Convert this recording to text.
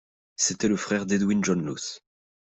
C’était le frère d’Edwin John Luce.